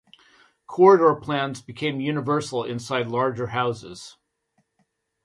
Corridor plans became universal inside larger houses.